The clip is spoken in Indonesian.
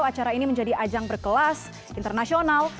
acara ini menjadi ajang berkelas internasional